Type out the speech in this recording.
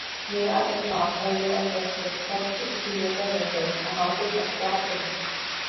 میرا اخلاق اور میرا تزکیہ، سب اس کی نذر ہو گئے مہاجر اب کیا کریں؟